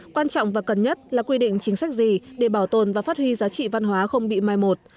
quan trọng và cần nhất là quy định chính sách gì để bảo tồn và phát huy giá trị văn hóa không bị mai một